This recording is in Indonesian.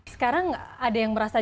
sekarang ada yang merasa